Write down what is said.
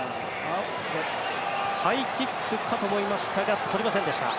ハイキックかと思いましたが取れませんでした。